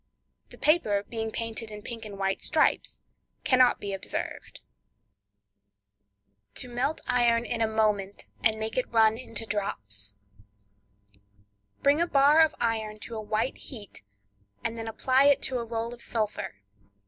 The paper being painted in pink and white stripes, cannot be observed. To Melt Iron in a Moment, and Make It Run into Drops.—Bring a bar of iron to a white heat, and then apply it to a roll of sulphur.